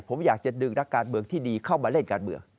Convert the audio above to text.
ผมอยากจะดึงนักการเมืองที่ดีเข้ามาเล่นการเมือง